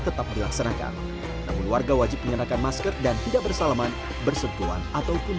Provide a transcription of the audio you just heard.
tetap dilaksanakan namun warga wajib mengenakan masker dan tidak bersalaman bersentuhan ataupun